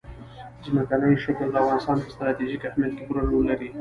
ځمکنی شکل د افغانستان په ستراتیژیک اهمیت کې پوره رول لري.